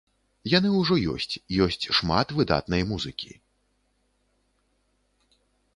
Яны ўжо ёсць, ёсць шмат выдатнай музыкі.